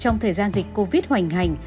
trong thời gian dịch covid hoành hành